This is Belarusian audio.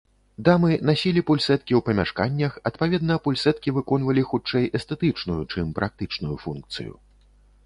Дамы насілі пульсэткі ў памяшканнях, адпаведна пульсэткі выконвалі хутчэй эстэтычную, чым практычную функцыю.